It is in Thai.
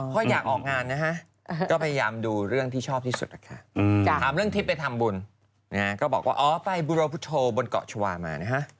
อยากออกงานนะฮะก็พยายามดูเรื่องที่ชอบที่สุดนะคะถามเรื่องทิพย์ไปทำบุญนะฮะก็บอกว่าอ๋อไปบุรพุธโธบนเกาะชาวามานะฮะ